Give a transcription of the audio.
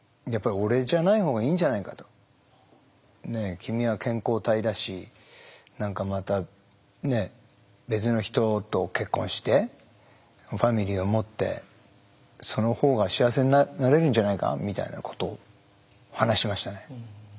君は健康体だし何かまた別の人と結婚してファミリーを持ってそのほうが幸せになれるんじゃないかみたいなことを話しましたね。